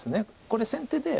これ先手で。